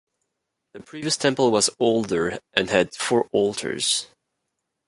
The previous temple was older and had four altars.